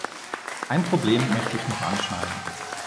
Ein Problem möchte ich noch anschneiden.